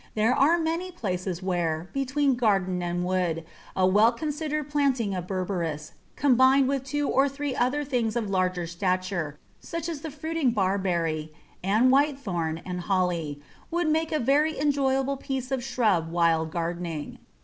There are many places where, between garden and wood, a well considered planting of Berberis, combined with two or three other things of larger stature, such as the fruiting Barberry, and Whitethorn and Holly, would make a very enjoyable piece of shrub wild gardening.